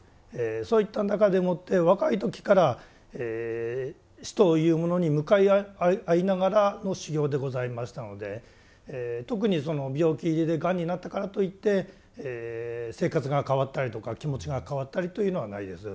そういった中でもって若い時から死というものに向かい合いながらの修行でございましたので特にその病気でがんになったからといって生活が変わったりとか気持ちが変わったりというのはないです。